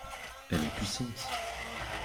Elle est puissante.